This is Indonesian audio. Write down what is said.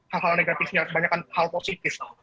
hal hal negatifnya kebanyakan hal positif